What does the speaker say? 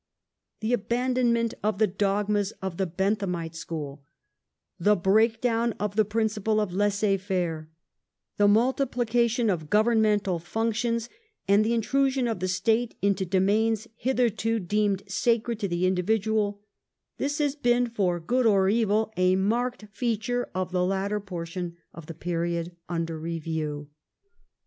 The abandonment of the dogmas of the Benthamite School ; the breakdown of the principle of laisser faire ; the multiplication of governmental functions, and the intru sion of the State into domains hitherto deemed sacred to the individual — this has been for good or evil a marked feature of the latter portion of the period under review.